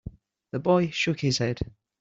The boy shook his head.